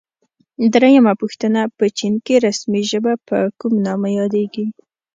درېمه پوښتنه: په چین کې رسمي ژبه په کوم نامه یادیږي؟